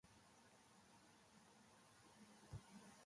Adorea behar duzu, eta zure joan-etorriak gogoratzeak lagun egiten dizu.